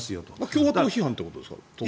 共和党批判ということですか？